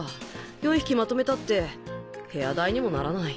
４匹まとめたって部屋代にもならない。